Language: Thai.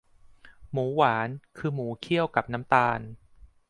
หมูหวาน คือหมูเคี่ยวกับน้ำตาล